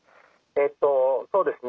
そうですね。